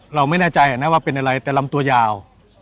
เราไม่แน่ใจนะว่าเป็นอะไรแต่ลำตัวยาว